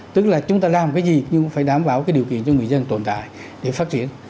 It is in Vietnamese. tức là chúng ta làm cái gì nhưng phải đảm bảo cái điều kiện cho người dân tồn tại để phát triển